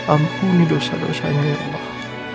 ampuni dosa dosanya ya allah